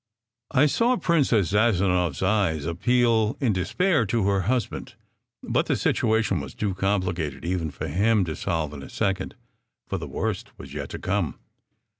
I saw Princess Sanzanow s eyes appeal in despair to her husband. But the situation was too complicated even for him to solve in a second, for the worst was yet 276 SECRET HISTORY to come.